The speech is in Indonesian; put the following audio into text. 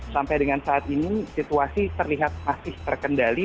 sampai dengan saat ini situasi terlihat masih terkendali